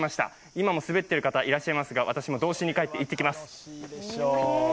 今も滑っている方いらっしゃいますが、私も童心に帰って行ってきます。